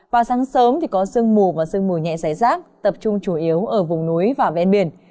và sáng sớm thì có sương mù và sương mù nhẹ giải rác tập trung chủ yếu ở vùng núi và ven biển